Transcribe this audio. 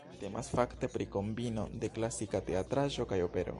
Temas fakte pri kombino de klasika teatraĵo kaj opero.